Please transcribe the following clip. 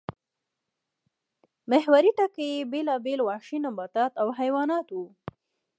محوري ټکی یې بېلابېل وحشي نباتات او حیوانات وو